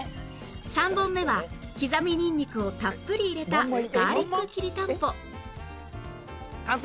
３本目はきざみニンニクをたっぷり入れたガーリックきりたんぽ